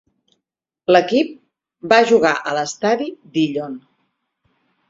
L'equip va jugar a l'estadi Dillon.